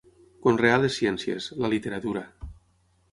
Conrear les ciències, la literatura.